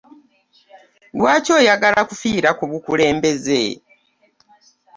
Lwaki oyagala kufiira ku bukulembeze?